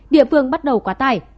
địa phương bắt đầu quá tải